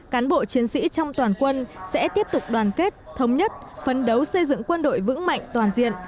cán bộ chiến sĩ trong toàn quân sẽ tiếp tục đoàn kết thống nhất phấn đấu xây dựng quân đội vững mạnh toàn diện